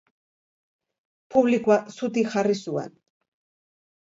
Publikoa zutik jarri zuen.